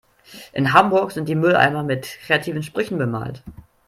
In Hamburg sind die Mülleimer mit kreativen Sprüchen bemalt.